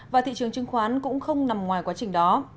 và thị trường chứng khoán cũng không nằm ngoài quá trình đó